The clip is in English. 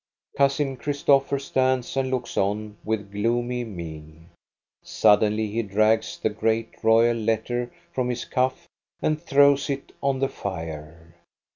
Cousin Christopher stands and looks on with gloomy mien. Suddenly he drags the great royal letter from his cuff and throws it on the fire.